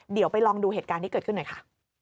เดี๋ยวไปลองดูเหตุการณ์ที่เกิดขึ้นหน่อยค่ะ